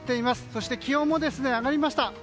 そして気温も上がりました。